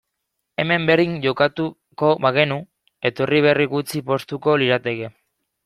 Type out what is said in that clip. Hemen berdin jokatuko bagenu, etorri berri gutxi poztuko lirateke.